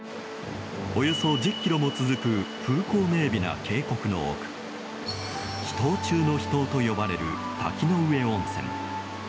およそ１０ｋｍも続く風光明媚な渓谷の奥秘湯中の秘湯と呼ばれる滝ノ上温泉。